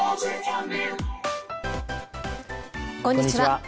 こんにちは。